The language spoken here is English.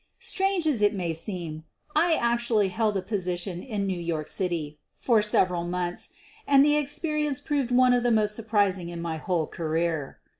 Strange as it may seem, I actually held such a position in New York City for several months, and the experience proved one of the most surprising in my whole career.